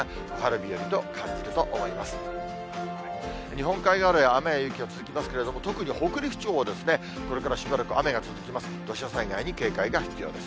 日本海側では、雨や雪は続きますけれども、特に北陸地方ですね、これからしばらく雨が続きます。